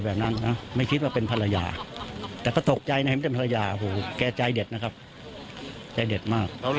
สมมุติเราแล้วตัวเรานี่หวั่นมากมั้ยครับผม